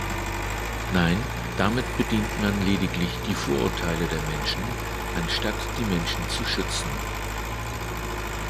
Nein, damit bedient man lediglich die Vorurteile der Menschen, anstatt die Menschen zu schützen.